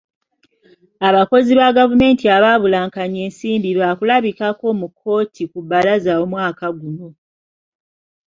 Abakozi ba gavumenti abaabulankanya ensimbi baakulabikako mu kkooti ku bbalaza omwaka guno.